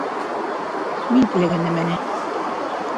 Мин теләгән нәмәне.